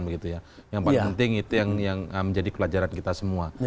yang paling penting itu yang menjadi pelajaran kita semua